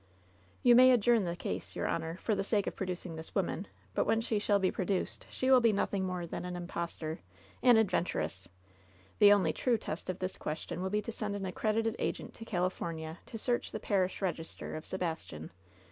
"You may adjourn the case, your honor, for the sake of producing this woman; but when she shall be pro duced she will be nothing more than an impostor — an adventuress. The only true test of this question will be to send an accredited agent to California to search the parish register of Sebastian.